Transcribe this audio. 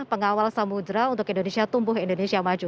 pengawal samudera untuk indonesia tumbuh indonesia maju